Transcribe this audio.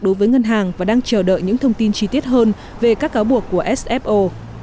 đối với ngân hàng và đang chờ đợi những thông tin chi tiết hơn về các cáo buộc của sfo